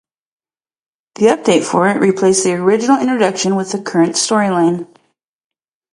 The update for it replaced the original introduction with the current storyline.